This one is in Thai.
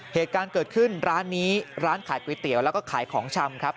เหตุการณ์เกิดขึ้นร้านนี้ร้านขายก๋วยเตี๋ยวแล้วก็ขายของชำครับ